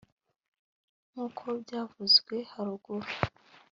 nkuko byavuzwe haruguru